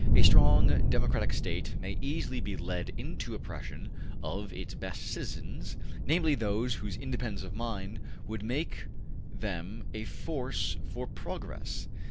A strong democratic State may easily be led into oppression of its best citizens, namely, those those independence of mind would make them a force for progress.